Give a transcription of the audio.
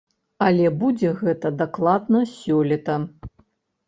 Але будзе гэта дакладна сёлета.